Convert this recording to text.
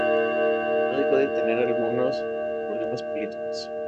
No dejó de tener algunos problemas políticos.